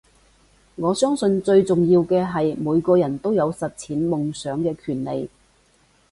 我相信最重要嘅係每個人都有實踐夢想嘅權利